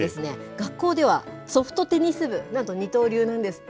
学校ではソフトテニス部、なんと二刀流なんですって。